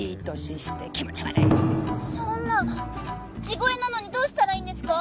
地声なのにどうしたらいいんですか？